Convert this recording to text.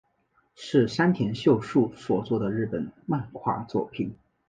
是山田秀树所作的日本漫画作品。